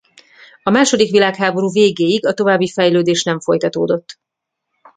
A második világháború végéig a további fejlődés nem folytatódott.